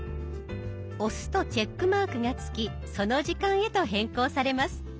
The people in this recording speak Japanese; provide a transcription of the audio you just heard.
押すとチェックマークがつきその時間へと変更されます。